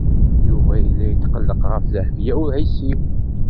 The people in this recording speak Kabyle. Yuba yella yetqelleq ɣef Dehbiya u Ɛisiw.